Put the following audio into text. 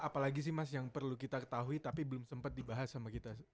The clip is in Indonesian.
apalagi sih mas yang perlu kita ketahui tapi belum sempat dibahas sama kita